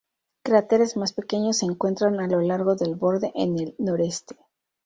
Cráteres más pequeños se encuentran a lo largo del borde en el noreste.